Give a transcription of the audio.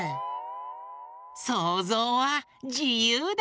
そうぞうはじゆうだ！